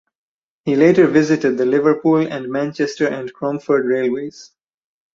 He later visited the Liverpool and Manchester and Cromford railways.